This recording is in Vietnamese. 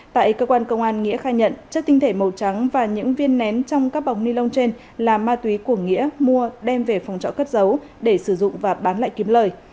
tại cơ quan công an nghĩa khai nhận chất tinh thể màu trắng và những viên nén trong các bọc ni lông trên là ma túy của nghĩa mua đem về phòng trọ cất giấu để sử dụng và bán lại kiếm lời